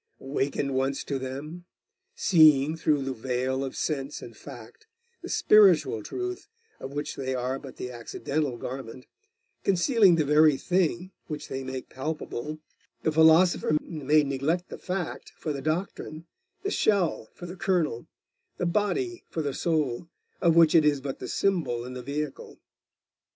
Awakened once to them; seeing, through the veil of sense and fact, the spiritual truth of which they are but the accidental garment, concealing the very thing which they make palpable, the philosopher may neglect the fact for the doctrine, the shell for the kernel, the body for the soul, of which it is but the symbol and the vehicle.